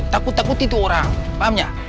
takut takuti itu orang paham gak